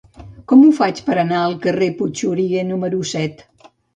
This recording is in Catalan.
Com ho faig per anar al carrer de Puigxuriguer número set?